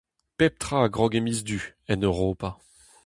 Pep tra a grog e miz Du, en Europa.